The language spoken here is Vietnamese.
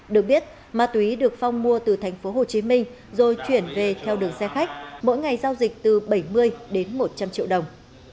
được biết ma túy được phong mua từ thành phố hồ chí minh rồi chuyển về theo đường xe khách mỗi ngày giao dịch từ bảy mươi đến một trăm linh triệu đồng